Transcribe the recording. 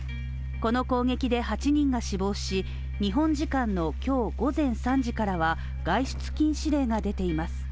この攻撃で８人が死亡し、日本時間の今日午前３時からは外出禁止令が出ています。